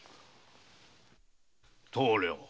棟梁。